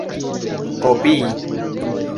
kopii